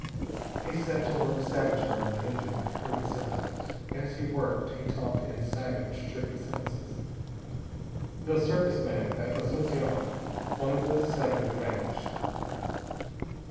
He set to work savagely on the engine, reassembling it. As he worked, he talked in savage, jerky sentences. "The Service man at Asunción. One of the seven who vanished.